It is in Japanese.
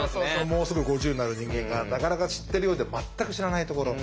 もうすぐ５０になる人間がなかなか知ってるようで全く知らないところ。